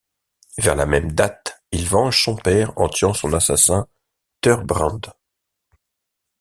Vers la même date, il venge son père en tuant son assassin Thurbrand.